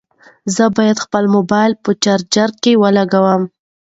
زه به خپل موبایل په چارجر کې ولګوم.